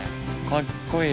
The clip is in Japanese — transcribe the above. かっこいい！